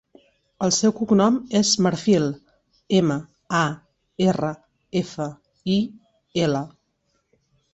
El seu cognom és Marfil: ema, a, erra, efa, i, ela.